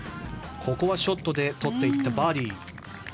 ここはショットでとっていったバーディー。